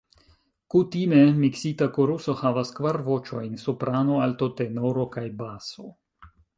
Kutime miksita koruso havas kvar voĉojn: Soprano, Alto, Tenoro kaj Baso.